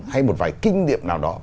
hay một vài kinh nghiệm nào đó